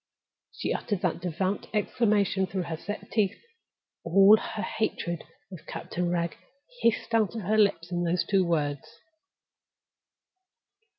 She uttered that devout exclamation through her set teeth. All her hatred of Captain Wragge hissed out of her lips in those two words.